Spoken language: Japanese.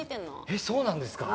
えっそうなんですか？